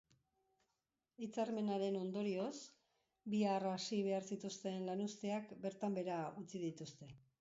Hitzarmenaren ondorioz, bihar hasi behar zituzten lanuzteak bertan behera utzi dituzte.